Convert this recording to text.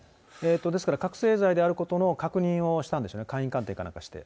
ですから覚醒剤であることの確認をしたんでしょうね、簡易鑑定かなんかして。